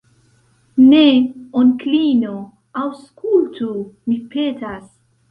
Ne, onklino, aŭskultu, mi petas.